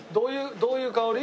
どういう香り？